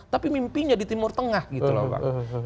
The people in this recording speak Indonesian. tapi mimpinya di timur tengah gitu loh bang